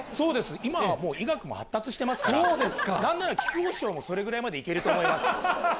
今はもう医学も発達してますから、なんなら木久扇師匠もそれぐらいまでいけると思います。